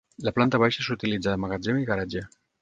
La planta baixa s'utilitza de magatzem i garatge.